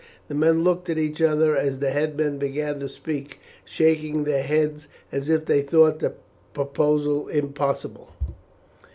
The men looked at each other as the headman began to speak, shaking their heads as if they thought the proposal impossible.